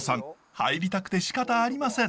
入りたくてしかたありません。